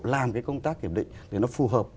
làm cái công tác kiểm định để nó phù hợp